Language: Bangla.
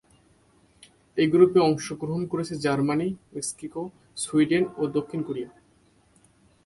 এই গ্রুপে অংশগ্রহণ করছে জার্মানি, মেক্সিকো, সুইডেন এবং দক্ষিণ কোরিয়া।